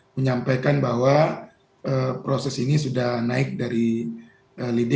menyampaikan bahwa proses ini sudah naik dari lidik